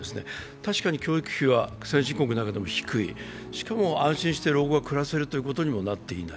確かに教育費は先進国に比べても低い、しかも、安心して老後が暮らせるということにもなっていない。